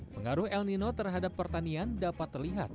pengaruh el nino terhadap pertanian dapat terlihat